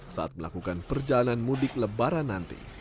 saat melakukan perjalanan mudik lebaran nanti